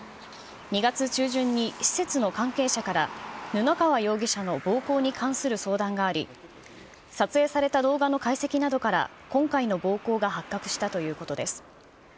２月中旬に施設の関係者から、布川容疑者の暴行に関する相談があり、撮影された動画の解析などから今回の暴行が発覚したということです。